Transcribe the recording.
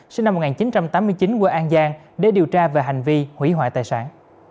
sinh năm một nghìn chín trăm tám mươi chín quê an giang để điều tra về hành vi hủy hoại tài sản